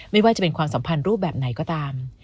ไม่ว่าจะเป็นความสัมพันธ์รูปแบบไหนก็ตาม